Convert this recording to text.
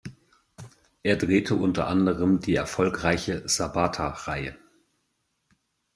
Er drehte unter anderem die erfolgreiche Sabata-Reihe.